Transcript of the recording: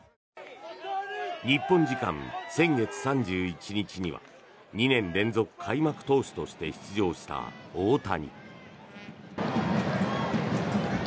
日本時間先月３１日には２年連続開幕投手として出場した大谷。